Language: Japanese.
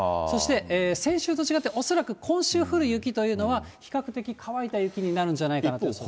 そして先週と違って、恐らく今週降る雪というのは、比較的乾いた雪になるんじゃないかなと。